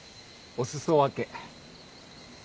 お裾分け？